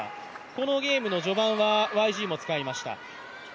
このゲームの序盤はＹＧも使いました。